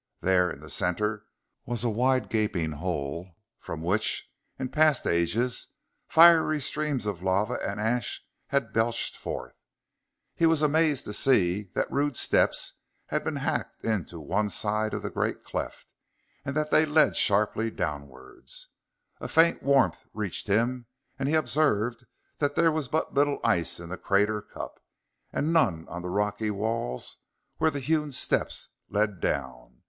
There, in the center, was a wide gaping hole from which, in past ages, fiery streams of lava and ashes had belched forth. He was amazed to see that rude steps had been hacked in one side of the great cleft, and that they led sharply downwards. A faint warmth reached him, and he observed that there was but little ice in the crater cup, and none on the rocky walls where the hewn steps led down.